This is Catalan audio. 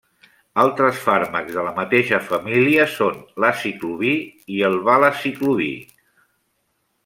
Altres fàrmacs de la mateixa família són l'aciclovir i el valaciclovir.